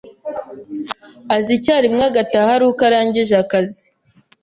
Aza icyarimwe agataha aruko arangije akazi.